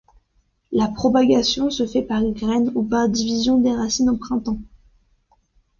La propagation se fait par graines ou par division des racines au printemps.